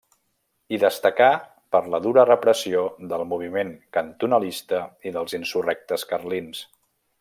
Hi destacà per la dura repressió del moviment cantonalista i dels insurrectes carlins.